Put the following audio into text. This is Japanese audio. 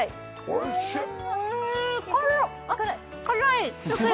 おいしい！